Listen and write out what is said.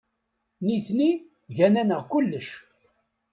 Nitni gan-aneɣ kullec.